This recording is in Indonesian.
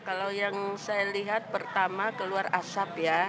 kalau yang saya lihat pertama keluar asap ya